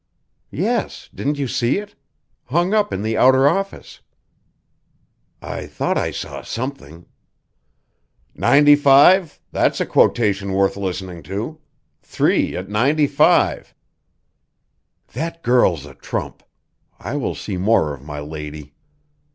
_" "Yes; didn't you see it? Hung up in the outer office." "I thought I saw something. Ninety five? That's a quotation worth listening to. Three at ninety five. _That girl's a trump. I will see more of my lady.